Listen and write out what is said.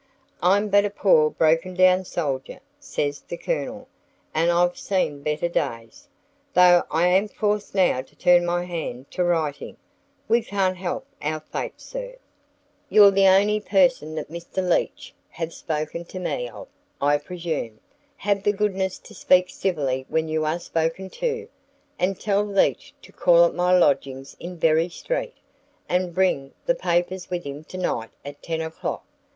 "I'm but a poor broken down soldier," says the Colonel, "and I've seen better days, though I am forced now to turn my hand to writing. We can't help our fate, sir." "You're the person that Mr. Leach hath spoken to me of, I presume. Have the goodness to speak civilly when you are spoken to and tell Leach to call at my lodgings in Bury Street, and bring the papers with him to night at ten o'clock.